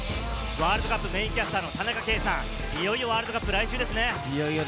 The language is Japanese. ワールドカップメインキャスターの田中圭さん、いよいよワールドカップ、来週ですね。